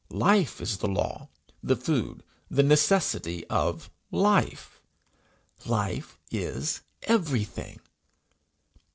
Life is the law, the food, the necessity of life. Life is everything.